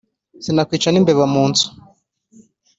Sinakwica n'imbeba mu nzu.